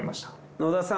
野田さん